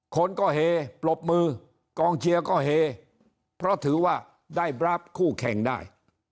คนก็เฮปรบมือกองเชียร์ก็เฮเพราะถือว่าได้บราฟคู่แข่งได้